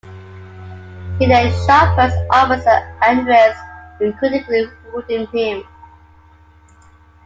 He then shot First Officer Andress, critically wounding him.